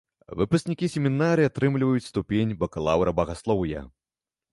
Выпускнікі семінарыі атрымліваюць ступень бакалаўра багаслоўя.